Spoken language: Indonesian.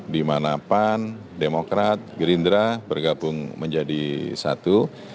di mana pan demokrat gerindra bergabung menjadi satu